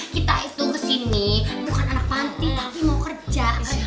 kita itu kesini bukan anak panti tapi mau kerja